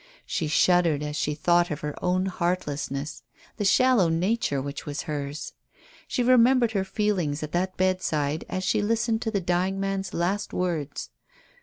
She shuddered as she thought of her own heartlessness, the shallow nature which was hers. She remembered her feelings at that bedside as she listened to the dying man's last words.